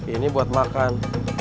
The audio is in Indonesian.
ini buat makan